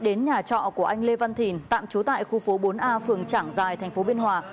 đến nhà trọ của anh lê văn thìn tạm chú tại khu phố bốn a phường trảng giài tp biên hòa